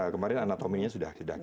kemarin anatominya sudah kita miliki